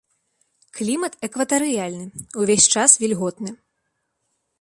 Клімат экватарыяльны, увесь час вільготны.